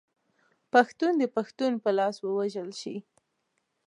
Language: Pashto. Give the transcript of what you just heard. پښتون د پښتون په لاس ووژل شي.